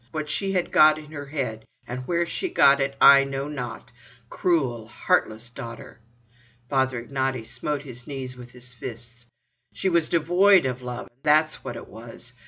What she had got in her head, and where she got it, I know not. Cruel, heartless daughter!" Father Ignaty smote his knees with his fists. "She was devoid of love—that's what it was!